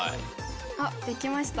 あできました！